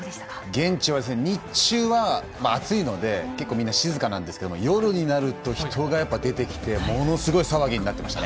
現地は暑いので結構みんな静かなんですけど夜になると人が出てきてものすごい騒ぎになっていました。